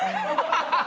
ハハハハ。